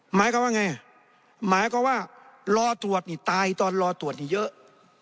หมายความว่าไงหมายความว่ารอตรวจนี่ตายตอนรอตรวจนี่เยอะ